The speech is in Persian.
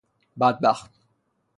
بد بخت